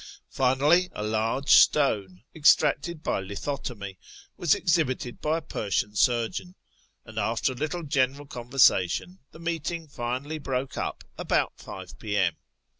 Finally, a large stone, extracted by lithotomy, was exhibited by a Persian surgeon ; and after a little general conversation the meeting finally broke up about 5 p.m.